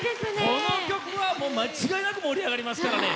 この曲は間違いなく盛り上がりますからね。